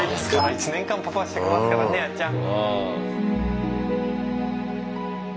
１年間パパしてますからねアちゃん。